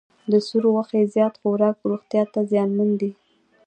د سور غوښې زیات خوراک روغتیا ته زیانمن دی.